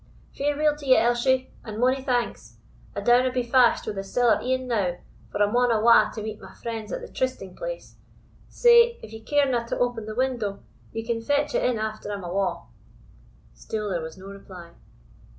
Fareweel to you, Elshie, and mony thanks I downa be fashed wi' the siller e'en now, for I maun awa' to meet my friends at the Trysting place Sae, if ye carena to open the window, ye can fetch it in after I'm awa'." Still there was no reply.